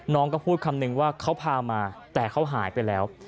น้องก็พูดคำนึงว่าเขาพามาแต่เขาหายไปแล้ว